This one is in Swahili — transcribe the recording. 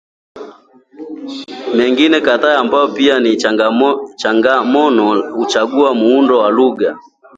mingine kadha ambayo pia ni changamano na huchagua muundo wa lugha